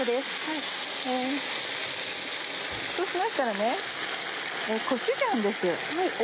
そうしましたらコチュジャンです。